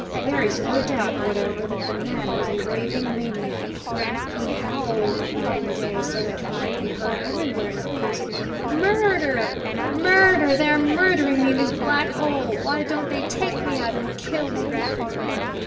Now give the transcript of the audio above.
There is no doubt whatever that the man was a raving maniac. He howled night and day so that he could be heard everywhere in the prison "Murder, murder! they are murdering me in this black hole; why don't they take me out and kill me?"